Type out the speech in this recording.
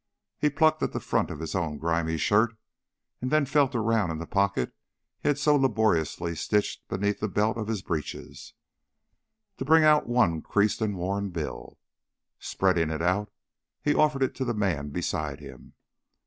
He plucked at the front of his own grimy shirt, and then felt around in the pocket he had so laboriously stitched beneath the belt of his breeches, to bring out one creased and worn bill. Spreading it out, he offered it to the man beside him.